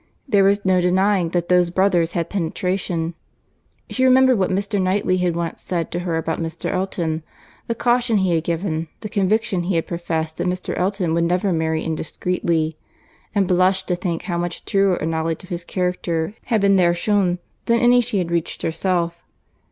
There was no denying that those brothers had penetration. She remembered what Mr. Knightley had once said to her about Mr. Elton, the caution he had given, the conviction he had professed that Mr. Elton would never marry indiscreetly; and blushed to think how much truer a knowledge of his character had been there shewn than any she had reached herself.